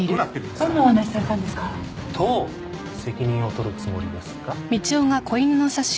どう責任を取るつもりですか？